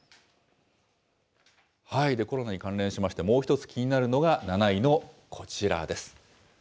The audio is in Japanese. コロナに関連しましてもう一つ気になるのが、７位のこちらです。